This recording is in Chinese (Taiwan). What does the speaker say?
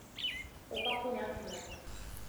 我幫不了你們